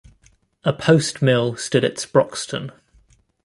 A post mill stood at Sproxton.